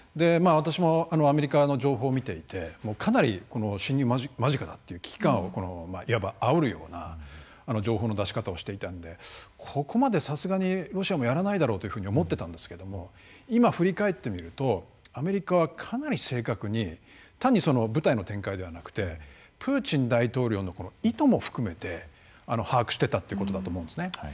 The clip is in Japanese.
私もアメリカの情報を見ていてかなり侵入間近だっていう危機感をいわばあおるような情報の出し方をしていたんでここまでさすがにロシアもやらないだろうというふうに思ってたんですけども今振り返ってみるとアメリカはかなり正確に単に部隊の展開ではなくてプーチン大統領の意図も含めて把握していたっていうことだと思うんですね。